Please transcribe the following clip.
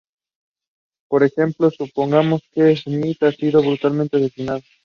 Por ejemplo, supongamos que Smith ha sido brutalmente asesinado.